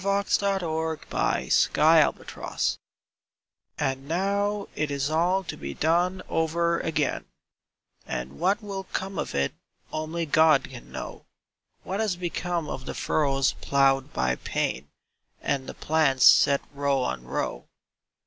[i6] Vigils THE GARDEN And now it is all to be done over again, And what will come of it only God can know. What has become of the furrows ploughed by pain, And the plants set row on row